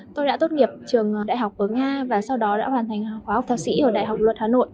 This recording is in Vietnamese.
tôi đã tốt nghiệp trường đại học ở nga và sau đó đã hoàn thành khóa học thạc sĩ ở đại học luật hà nội